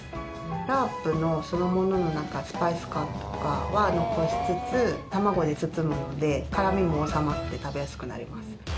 ラープそのもののスパイス感とかは残しつつ卵で包むので、辛味も治まって食べやすくなります。